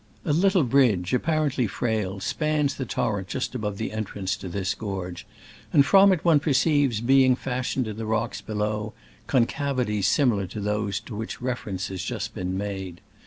A little bridge, apparently frail, spans the torrent just above the entrance to this gorge, and from it one perceives being fashioned in the rocks below con cavities similar to those to which refer ence has just been made.